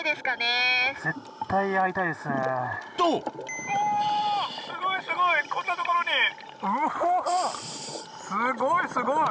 うわすごいすごい！